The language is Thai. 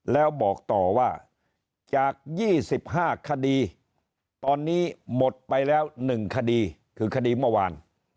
แล้วบอกต่อว่าจาก๒๕คดีตอนนี้หมดไปแล้ว๑คดีคือคดีเมื่อวาน